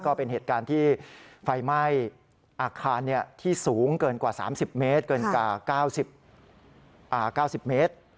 ก็เป็นเหตุการณ์ที่ไฟไหม้อาคารที่สูงเกินกว่า๓๐เมตรเกินกว่า๙๐เมตร